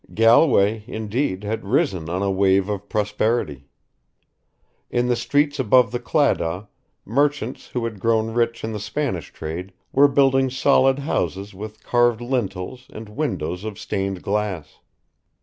Galway, indeed, had risen on a wave of prosperity. In the streets above the Claddagh, merchants who had grown rich in the Spanish trade were building solid houses with carved lintels and windows of stained glass.